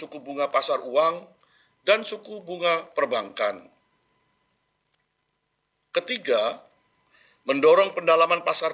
suku bunga pasar uang dan suku bunga perbankan ketiga mendorong pendalaman pasar